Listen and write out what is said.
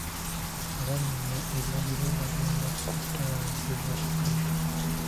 Abamenya ebiragiro bagenda kutaanzibwa ssente.